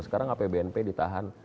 sekarang apbnp ditahan